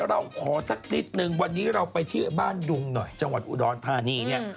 เราขอสักนิดนึงวันนี้เราไปที่บ้านดุงหน่อยจังหวัดอุดรธานีเนี่ย